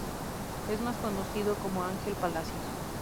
Es más conocido como "Ángel Palacios".